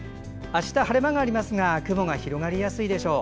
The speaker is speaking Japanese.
明日は晴れ間がありますが雲が広がりやすいでしょう。